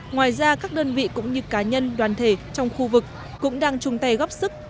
ngoài ra các đơn vị cũng như cá nhân đoàn thể trong khu vực cũng đang chung tay góp sức